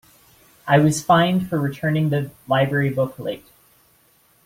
I was fined for returning the library book late.